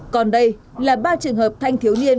còn đây là ba trường hợp thanh thiếu niên